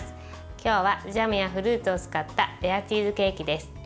今日はジャムやフルーツを使ったレアチーズケーキです。